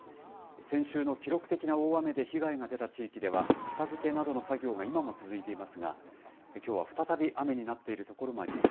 先週の記録的な大雨で被害が出た地域では片づけなどの作業が今も続いていますがきょうは再び雨になっている所もあります。